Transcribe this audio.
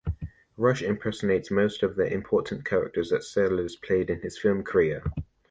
Rush impersonates most of the important characters that Sellers played in his film career.